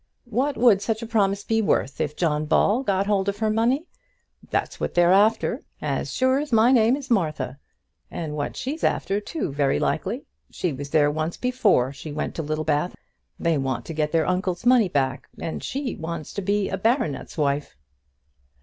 "What would such a promise be worth if John Ball got hold of her money? That's what they're after, as sure as my name is Martha; and what she's after too, very likely. She was there once before she went to Littlebath at all. They want to get their uncle's money back, and she wants to be a baronet's wife."